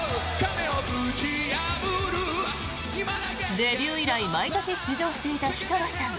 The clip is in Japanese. デビュー以来毎年出場していた氷川さん。